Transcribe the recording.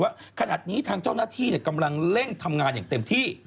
ว่าขนาดนี้ทางเจ้าหน้าที่กำลังเร่งทำงานอย่างเต็มที่